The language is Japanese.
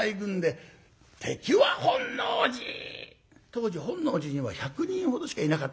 当時本能寺には１００人ほどしかいなかったそうでございますね。